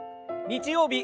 日曜日